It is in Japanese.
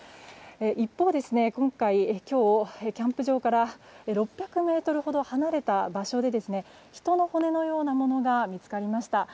一方、今日キャンプ場から６００ｍほど離れた場所で人の骨のようなものが見つかりました。